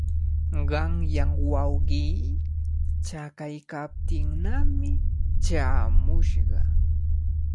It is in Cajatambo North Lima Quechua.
Qanyan wawqii chakaykaptinnami chaamushqa.